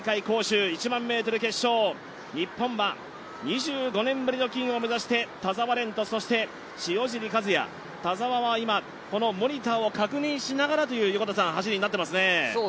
日本は２５年ぶりの金を目指して田澤廉と塩尻和也、田澤は今、このモニターを確認しながらという走りになっていますね。